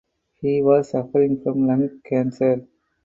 He was suffering from lung cancer.